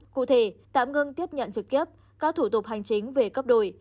cụ thể tạm ngưng tiếp nhận trực tiếp các thủ tục hành chính về cấp đổi